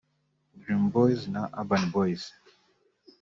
Dream Boys na Urban Boys